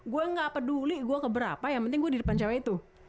gue ga peduli gue keberapa yang penting gue di depan cewek itu